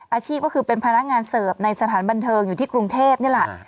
อาชีพก็คือเป็นพนักงานเสิร์ฟในสถานบันเทิงอยู่ที่กรุงเทพนี่แหละ